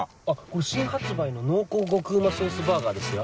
新発売の濃厚極旨ソースバーガーですよ。